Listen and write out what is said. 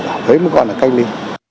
để thấy mấy con là cách ly